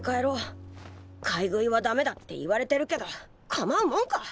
買い食いはダメだって言われてるけど構うもんか！